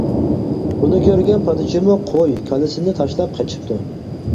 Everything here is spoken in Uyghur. بۇنى كۆرگەن پادىچىمۇ قوي، كالىسىنى تاشلاپ قېچىپتۇ.